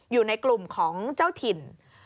อยู่ในกลุ่มของเจ้าถิ่น